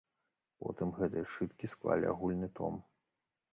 Потым гэтыя сшыткі склалі агульны том.